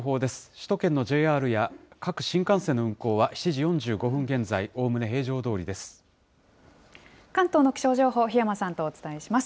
首都圏のＪＲや各新幹線の運行は、７時４５分現在、関東の気象情報、檜山さんとお伝えします。